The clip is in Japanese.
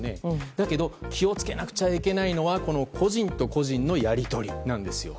だけど気をつけなくちゃいけないのは個人と個人のやり取りなんですよ。